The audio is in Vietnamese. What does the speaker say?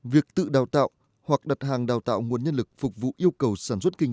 việc tự đào tạo hoặc đặt hàng đào tạo nguồn nhân lực phục vụ yêu cầu sản xuất kinh